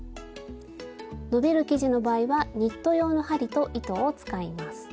伸びる生地の場合はニット用の針と糸を使います。